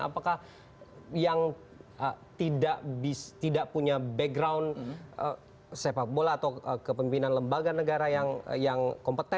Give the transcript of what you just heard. apakah yang tidak punya background sepak bola atau kepemimpinan lembaga negara yang kompeten